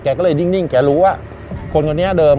ก็เลยนิ่งแกรู้ว่าคนคนนี้เดิม